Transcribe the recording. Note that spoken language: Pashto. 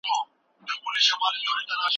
آیا په دې سیمه کې د اوبو لګولو سیستم فعال دی؟